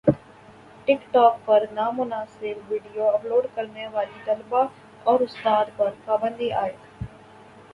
ٹک talk پر نامناسب video upload کرنے والی طالبہ اور استاد پر پابندی عائد